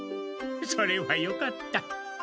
それはよかった。